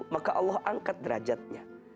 maka allah angkat derajatnya